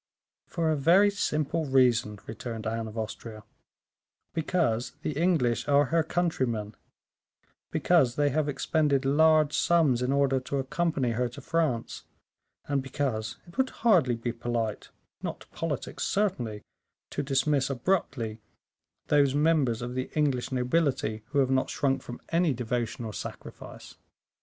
"For a very simple reason," returned Anne of Austria; "because the English are her countrymen, because they have expended large sums in order to accompany her to France, and because it would hardly be polite not politic, certainly to dismiss abruptly those members of the English nobility who have not shrunk from any devotion or sacrifice."